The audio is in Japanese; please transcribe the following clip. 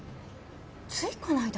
ついこないだ